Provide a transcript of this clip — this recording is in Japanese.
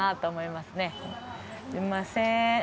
すいません。